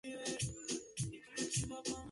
A este grupo de islas las llamó "Los Pintados".